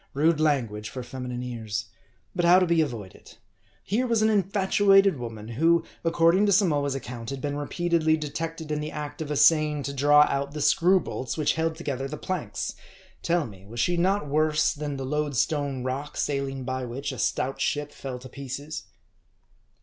Rude language for feminine ears ; but how to be avoided ? Here was an infatuated woman, who, according to Samoa's account, had been re peatedly detected in the act of essaying to draw out the screw bolts which held together the planks. Tell me ; was she not worse than the Load Stone Rock, sailing by which a stout ship fell to pieces